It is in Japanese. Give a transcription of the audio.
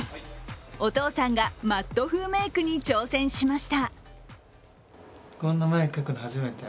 お父さんがＭａｔｔ風メークに挑戦しました。